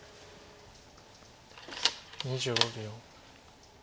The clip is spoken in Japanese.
２５秒。